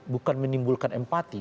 bukan menimbulkan empati